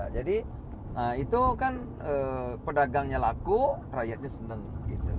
jadi itu kan pedagangnya laku rakyatnya senang